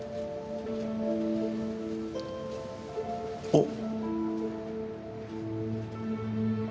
おっ。